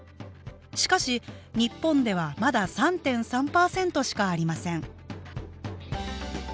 しかし日本ではまだ３．３％しかありません